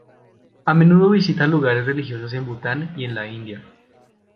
A menudo visita lugares religiosos en Bután y en la India.